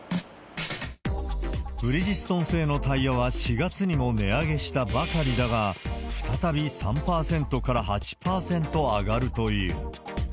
ブリヂストン製のタイヤは４月にも値上げしたばかりだが、再び３％から８％に上がるという。